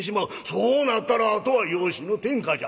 そうなったらあとは養子の天下じゃ。